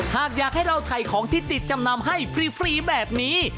หากอยากให้เราถ่ายของที่ติดจำนำให้ฟรีแบบนี้